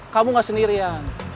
kamu gak sendirian